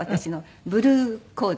ブルーコーデ。